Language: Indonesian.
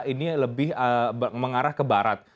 ini lebih mengarah ke barat